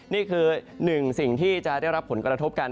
นี่คือหนึ่งสิ่งที่จะได้รับผลกระทบกัน